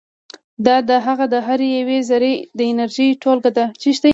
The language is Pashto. دا د هغه د هرې یوې ذرې د انرژي ټولګه ده.